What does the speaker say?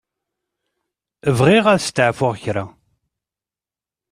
Bɣiɣ ad steɛfuɣ kra.